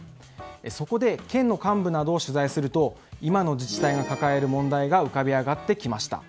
そこで県の幹部などを取材すると今の自治体が抱える問題が浮かび上がってきました。